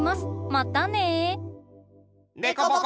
またね！